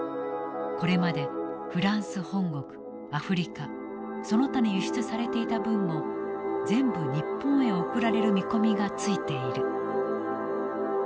これまでフランス本国アフリカその他に輸出されていた分も全部日本へ送られる見込みがついている」。